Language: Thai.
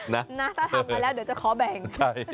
นะถ้าทำไปแล้วเดี๋ยวจะขอแบ่ง